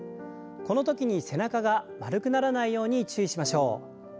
このときに背中が丸くならないように注意しましょう。